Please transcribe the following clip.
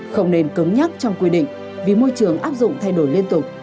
không nên cứng nhắc trong quy định vì môi trường áp dụng thay đổi liên tục